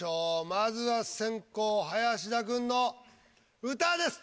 まずは先攻・林田君の「歌」です。